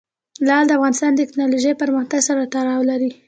لعل د افغانستان د تکنالوژۍ پرمختګ سره تړاو لري.